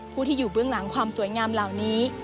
ผู้ที่อยู่เบื้องหลังความสวยงามเหล่านี้